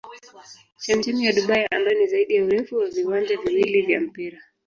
Chemchemi ya Dubai ambayo ni zaidi ya urefu wa viwanja viwili vya mpira.